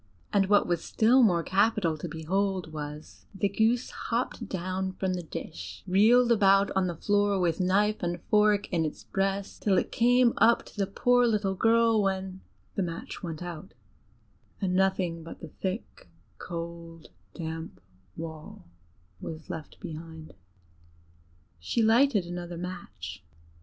And what was still more capital to behold was, the goose hopped down from the dish, reeled about on the floor with knife and fork in its breast, till it came up to the poor little girl; when the match went out and nothing but the thick, cold, damp wall was left behind. She lighted another match.